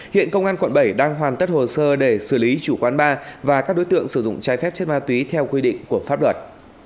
hiện công an quận bảy đang hoàn tất hồ sơ để xử lý chủ quán bar và các đối tượng sử dụng trái phép chất ma túy theo quy định của pháp luật